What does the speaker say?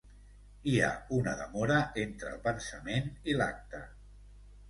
Hi ha una demora entre el pensament i l'acte.